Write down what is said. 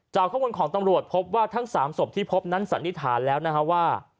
ข้อมูลของตำรวจพบว่าทั้ง๓ศพที่พบนั้นสันนิษฐานแล้วนะฮะว่า